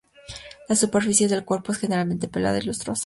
La superficie del cuerpo es generalmente pelada y lustrosa.